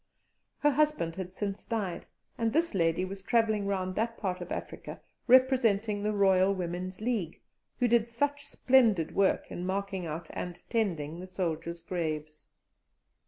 Her husband had since died, and this lady was travelling round that part of Africa representing the Loyal Women's League, who did such splendid work in marking out and tending the soldiers' graves.